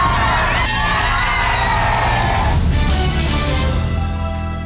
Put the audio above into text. อรุณสวัสดีครับ